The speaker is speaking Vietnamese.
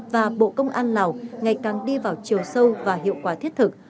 và bộ công an lào ngày càng đi vào chiều sâu và hiệu quả thiết thực